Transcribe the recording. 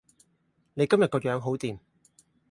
你今日個樣好掂